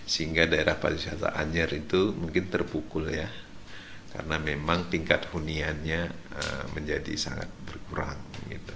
nah ini ya daerah pariwisata anyar itu mungkin terpukul ya karena memang tingkat huniannya menjadi sangat berkurang gitu